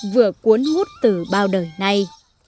vừa cuốn hút từ bao đời này